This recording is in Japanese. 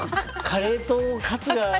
カレーとカツが。